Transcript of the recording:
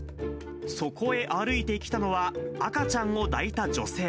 そこへ歩いてきたのは、赤ちゃんを抱いた女性。